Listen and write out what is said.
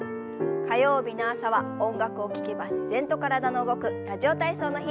火曜日の朝は音楽を聞けば自然と体の動く「ラジオ体操」の日。